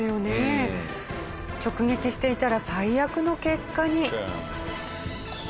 直撃していたら最悪の結果に。